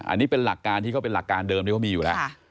อันนี้เป็นหลักการที่เขาเป็นหลักการเดิมที่เขามีอยู่แล้ว